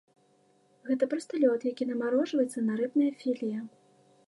Гэта проста лёд, які намарожваецца на рыбнае філе.